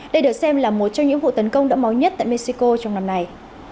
đây được xem là một trong những vụ tấn công đã máu nhất tại mexico trong năm này